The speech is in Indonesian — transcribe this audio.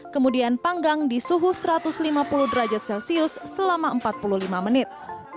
kemudian panggang di suhu satu ratus lima puluh derajat celcius selama empat puluh lima menit